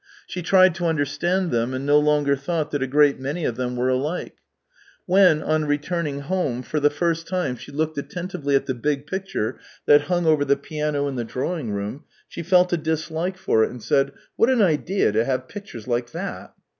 She tried to understand them and no longer thought that a great many of them were alike. When, on returning home, for the first time she looked attentively at the big picture that hung over the piano in the drawing room, she felt a dislike for it, and said: " What an idea to have pictures like that